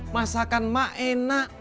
masakan mak enak